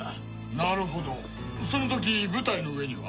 なるほどその時舞台の上には？